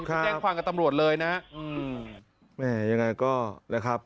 เขาแจ้งความกับตำรวจเลยนะอืมแม่ยังไงก็นะครับ